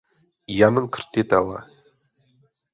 Jan Křtitele.